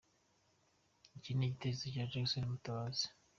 Iki ni igitekerezo cya Jackson Mutabazi.